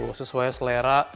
tuh sesuai selera